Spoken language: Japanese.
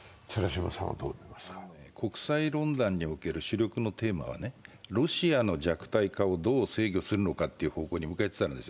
国際論壇における主力のテーマはロシアの弱体化をどう制御するかという方向に向かいつつあります。